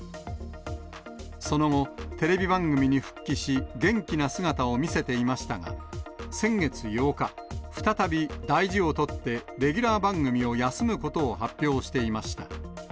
その後、テレビ番組に復帰し、元気な姿を見せていましたが、先月８日、再び大事をとって、レギュラー番組を休むことを発表していました。